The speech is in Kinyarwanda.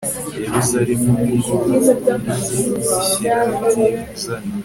yeruzalemu n'ingoro nibyishyire byizane